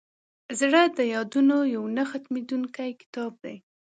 زړه د یادونو یو نه ختمېدونکی کتاب دی.